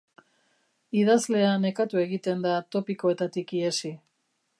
Idazlea nekatu egiten da topikoetatik ihesi.